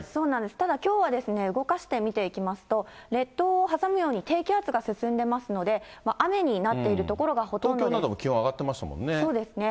ただ、きょうは動かして見ていきますと、列島を挟むように低気圧が進んでますので、東京なども気温、そうですね。